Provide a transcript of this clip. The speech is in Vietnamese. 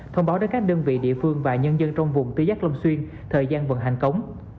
thông báo đến các đơn vị địa phương và nhân dân trong vùng tứ giác long xuyên thời gian vận hành cống